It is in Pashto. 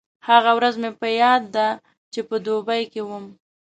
هغه ورځ مې یاده ده چې په دوبۍ کې وم.